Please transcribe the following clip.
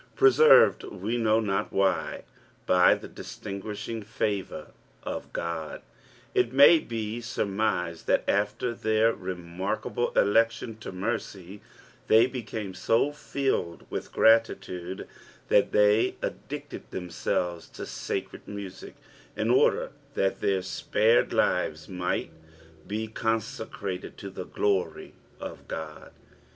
Preserved, we know not uAi/, by the distingittshini/ favour <^ (tod, it may be surmised thai after thar remarkdbl* election to nurr^, they became tofilitd with gmlitude thai they addicted thems^ves to sacred music tn order thai their spared lives might be consecrated to the glory of Ooi.